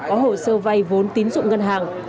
có hồ sơ vay vốn tín dụng ngân hàng